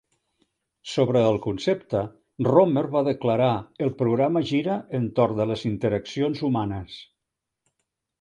Sobre el concepte, Romer va declarar "El programa gira entorn de les interaccions humanes".